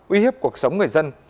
uy hiếp cuộc sống người dân